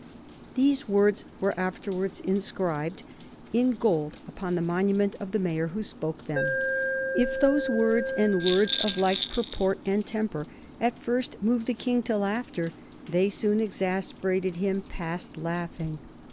Those words were afterwards inscribed in gold upon the monument of the mayor who spoke them. If those words, and words of like purport and temper, at first moved the King to laughter, they soon exasperated him past laughing.